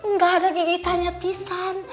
nggak ada gini tanya pisang